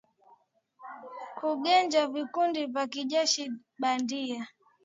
kugenja vikundi vya kijeshi bandia